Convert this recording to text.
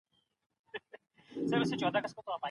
د اخرت لپاره تيار اوسئ.